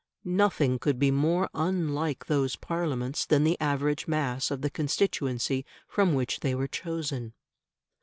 Nothing could be more unlike those Parliaments than the average mass of the constituency from which they were chosen.